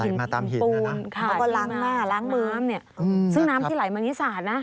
แล้วก็ล้างหน้าล้างมือซึ่งน้ำที่ไหลมันนี่สะอาดนะ